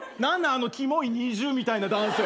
あのキモいＮｉｚｉＵみたいなダンス。